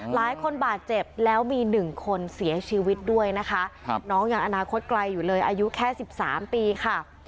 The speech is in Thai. หลายคนบาดเจ็บแล้วมี๑คนเสียชีวิตด้วยนะคะน้องยังอนาคตไกลอยู่เลยอายุแค่๑๓ปีค่ะ